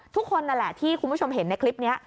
ทุกคนนั่นแหละที่คุณผู้ชมเห็นในคลิปนี้